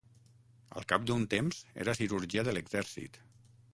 Al cap d'un temps era cirurgià de l'exèrcit.